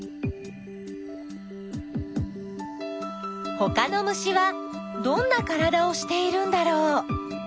ほかの虫はどんなからだをしているんだろう？